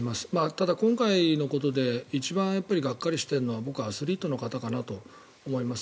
ただ、今回のことで一番がっかりしているのは僕はアスリートの方かなと思います。